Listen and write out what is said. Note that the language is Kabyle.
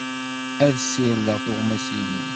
Ad ssirdeɣ tuɣmas-inu.